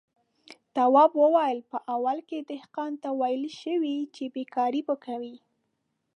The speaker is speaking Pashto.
تواب وويل: په اوله کې دهقان ته ويل شوي چې بېګار به کوي.